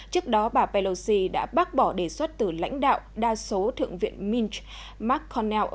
trước đó bà pelosi đã bác bỏ đề xuất từ lãnh đạo đa số thượng viện minch mark cornell